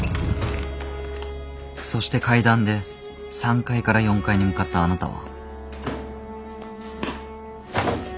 そして階段で３階から４階に向かったあなたは。